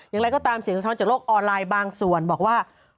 อย่างไรก็ตามเสียงสะท้อนจากโลกออนไลน์บางส่วนบอกว่า